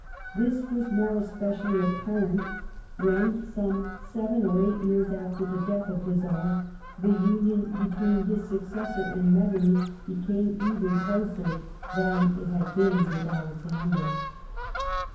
This was more especially apparent when, some seven or eight years after the death of the Czar, the union between his successor and Metternich became even closer than it had been with Alexander.